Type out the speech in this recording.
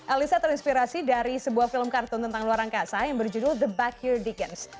alyssa terinspirasi dari sebuah film kartun tentang luar angkasa yang berjudul the backyard dickens